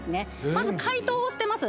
まず解凍をしてます